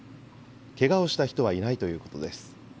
けがをした人はいないということです。